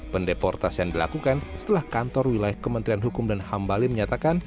pendeportasian dilakukan setelah kantor wilayah kementerian hukum dan ham bali menyatakan